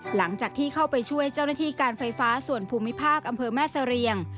หลังจากที่เข้าไปช่วยเจ้าหน้าที่การไฟฟ้าส่วนภูมิภาคอำเภอแม่เสรียง